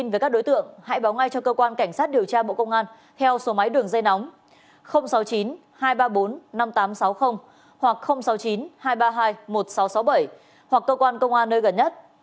với các đối tượng hãy báo ngay cho cơ quan cảnh sát điều tra bộ công an theo số máy đường dây nóng sáu mươi chín hai trăm ba mươi bốn năm nghìn tám trăm sáu mươi hoặc sáu mươi chín hai trăm ba mươi hai một nghìn sáu trăm sáu mươi bảy hoặc cơ quan công an nơi gần nhất